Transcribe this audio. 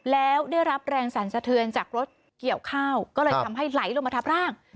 แล้วได้รับแรงสรรสะเทือนจากรถเกี่ยวข้าวก็เลยทำให้ไหลลงมาทับร่าง